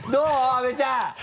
阿部ちゃん。